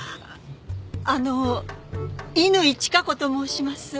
あの乾チカ子と申します。